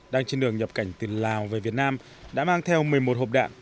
đang trên đường nhập cảnh từ lào về việt nam đã mang theo một mươi một hộp đạn